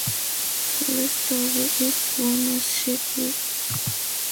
The rest of its ownership lies with public shareholders.